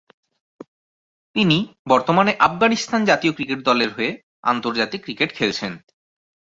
তিনি বর্তমানে আফগানিস্তান জাতীয় ক্রিকেট দল এর হয়ে আন্তর্জাতিক ক্রিকেট খেলছেন।